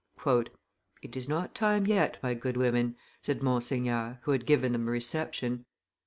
"It is not time yet, my good women," said Monseigneur, who had given them a reception.